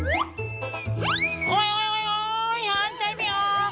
โอ๊ยโอ๊ยโอ๊ยหารใจไม่ออก